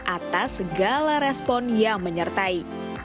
atas segala respon yang menyertai